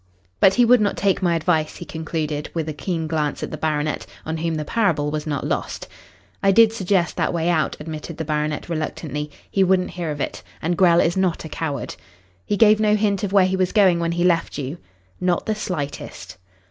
But he would not take my advice," he concluded, with a keen glance at the baronet, on whom the parable was not lost. "I did suggest that way out," admitted the baronet reluctantly. "He wouldn't hear of it. And Grell is not a coward." "He gave no hint of where he was going when he left you?" "Not the slightest."